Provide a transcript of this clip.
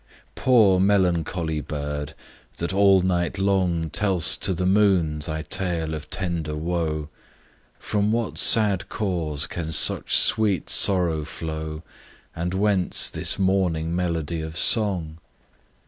POOR, melancholy bird that all night long Tell'st to the Moon thy tale of tender woe; From what sad cause can such sweet sorrow flow, And whence this mournful melody of song?